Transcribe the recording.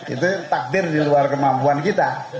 itu takdir di luar kemampuan kita